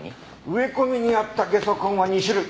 植え込みにあったゲソ痕は２種類。